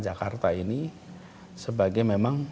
masyarakat ini sebagai